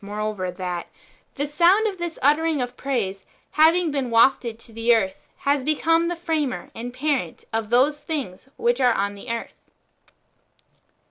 G3 moreover, that " the sound of this uttering of praise, having "been wafted to the earth, has become the Framer and the Parent of those thincrs which are on the earth."